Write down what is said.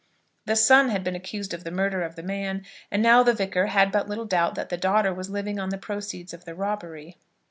The son had been accused of the murder of the man, and now the Vicar had but little doubt that the daughter was living on the proceeds of the robbery.